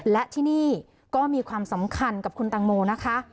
และที่นี่ก็มีความสำคัญกับคุณตังโมนะคะ